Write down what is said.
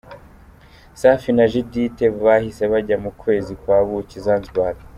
Safi na Judithe bahise bajya mu kwezi kwa Buki i Zanzibar.